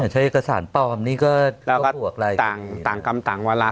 ใช้อากสารปลอมต่างกรรมต่างวัล้า